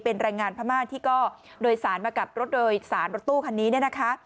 เป็นแรงงานพม่าที่ก็โดยสารมากับรถโดยสารรถตู้คันนี้เนี่ยนะคะ